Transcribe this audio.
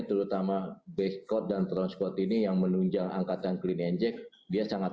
terutama base code dan transport ini yang menunjang angkatan clean and jack dia sangat